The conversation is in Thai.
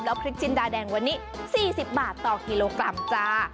พริกจินดาแดงวันนี้๔๐บาทต่อกิโลกรัมจ้า